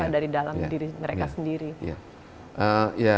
dari dalam diri mereka sendiri